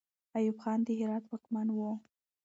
ایوب خان د هرات واکمن وو.